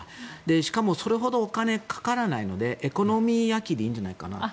しかもそれほどお金がかからないのでエコノミー焼きでいいんじゃないかなって。